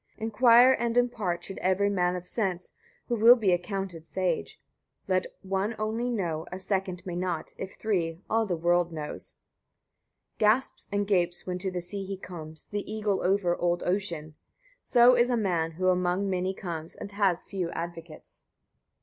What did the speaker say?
62. Inquire and impart should every man of sense, who will be accounted sage. Let one only know, a second may not; if three, all the world knows. 63. Gasps and gapes, when to the sea he comes, the eagle over old ocean; so is a man, who among many comes, and has few advocates.